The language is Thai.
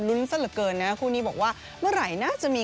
ซะเหลือเกินนะคู่นี้บอกว่าเมื่อไหร่น่าจะมี